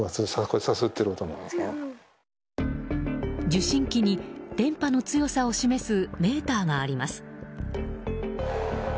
受信機に電波の強さを示すメーターがあります。